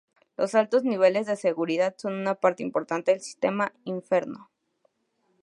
Los altos niveles de seguridad son una parte importante del sistema Inferno.